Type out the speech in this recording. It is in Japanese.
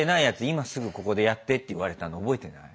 今すぐここでやってって言われたの覚えてない？